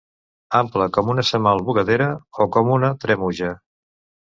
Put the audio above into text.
Ample com una semal bugadera o com una tremuja.